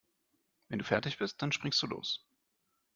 Wenn du fertig bist, dann springst du los.